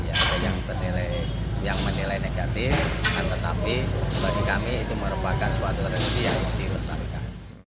ada yang menilai negatif dan tetapi bagi kami itu merupakan suatu rezeki yang dilestarikan